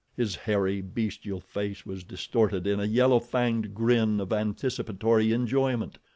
His hairy, bestial face was distorted in a yellow fanged grin of anticipatory enjoyment.